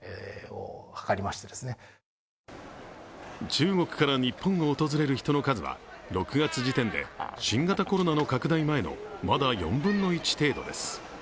中国から日本を訪れる人の数は６月時点で新型コロナの拡大前のまだ４分の１程度です。